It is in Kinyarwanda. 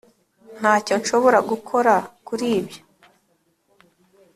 ntacyo nshobora gukora kuri ibyo